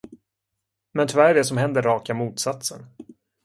Men tyvärr är det som händer raka motsatsen.